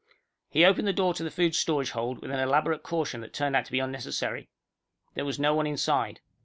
He opened the door to the food storage hold with an elaborate caution that turned out to be unnecessary. There was no one inside.